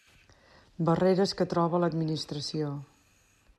Barreres que troba l'administració.